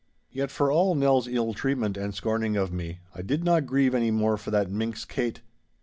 Yet for all Nell's ill treatment and scorning of me, I did not grieve any more for that minx Kate.